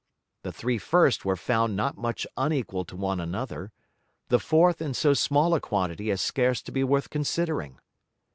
The three first were found not much unequal to one another, the fourth in so small a quantity as scarce to be worth considering.